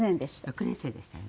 ６年生でしたよ